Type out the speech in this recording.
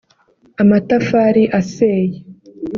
amatafari aseye